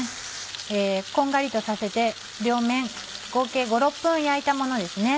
こんがりとさせて両面合計５６分焼いたものですね。